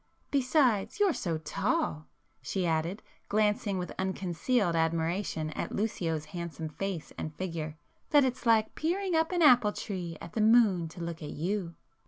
Besides you're so tall," she added, glancing with unconcealed admiration at Lucio's handsome face and figure, "that it's like peering up an apple tree at the moon to look at you!"